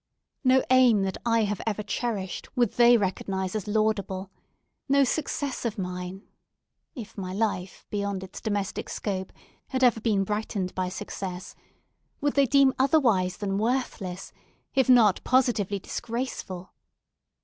No aim that I have ever cherished would they recognise as laudable; no success of mine—if my life, beyond its domestic scope, had ever been brightened by success—would they deem otherwise than worthless, if not positively disgraceful.